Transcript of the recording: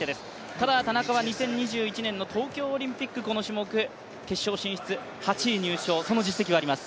ただ、田中は２０２１年の東京オリンピック、この種目、決勝進出、８位入賞、その実績はあります。